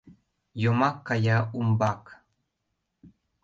Йомак кая умбак